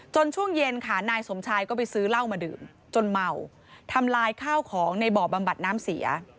ช่วงเย็นค่ะนายสมชายก็ไปซื้อเหล้ามาดื่มจนเมาทำลายข้าวของในบ่อบำบัดน้ำเสีย